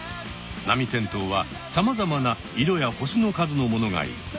ナミテントウはさまざまな色や星の数のものがいる。